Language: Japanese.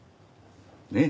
ねえ。